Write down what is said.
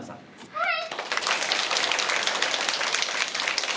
はい。